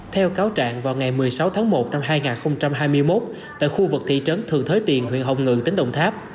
theo cáo trạng vào ngày một mươi sáu tháng một năm hai nghìn hai mươi một tại khu vực thị trấn thừa thới tiền huyện hồng ngự tỉnh đồng tháp